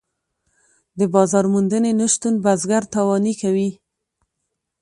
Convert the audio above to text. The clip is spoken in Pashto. د بازار موندنې نشتون بزګر تاواني کوي.